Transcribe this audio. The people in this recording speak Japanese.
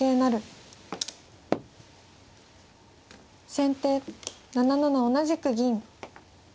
先手７七同じく銀。